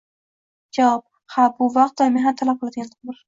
Javob: «Ha, bu vaqt va mehnat talab qiladigan tadbir